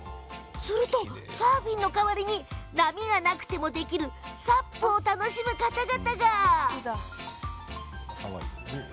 するとサーフィンの代わりに波がなくてもできるサップを楽しむ方々が。